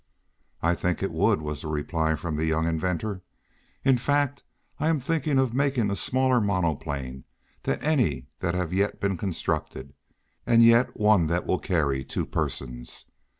"I think it would," was the reply of the young inventor. "In fact, I am thinking of making a smaller monoplane than any that have yet been constructed, and yet one that will carry two persons.